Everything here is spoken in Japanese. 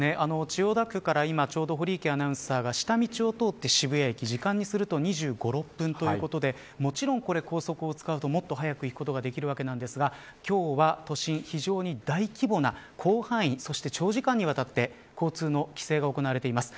千代田区から堀池アナウンサーが下道を使って、渋谷駅時間にすると２５２６分ということでもちろん高速を使うともっと早く行くことができますが今日は都心で非常に大規模な、広範囲そして長時間にわたって交通の規制が行われています。